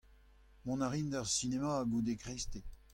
Mont a rin d'ar sinema goude kreisteiz.